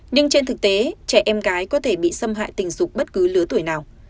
nhưng trên thực tế trẻ em gái có thể bị xâm hại tình dục bất cứ lứa tuổi nào